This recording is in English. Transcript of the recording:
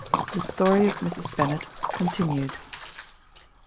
_The story of Mrs. Bennet continued.